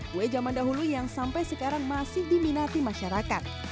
kue zaman dahulu yang sampai sekarang masih diminati masyarakat